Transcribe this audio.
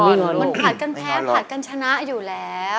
มันผัดกันแพ้ผัดกันชนะอยู่แล้ว